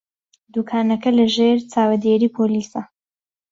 دوکانەکە لەژێر چاودێریی پۆلیسە.